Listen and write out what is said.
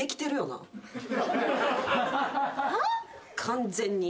完全に。